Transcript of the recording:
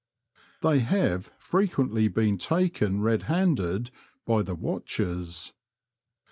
They have frequently been taken red handed by the watchers.